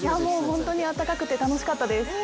本当にあったかくて楽しかったです。